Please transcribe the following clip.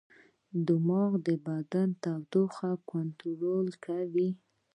دماغ د بدن د تودوخې کنټرول کوي.